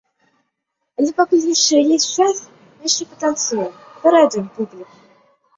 Але пакуль яшчэ час ёсць, мы яшчэ патанцуем, парадуем публіку!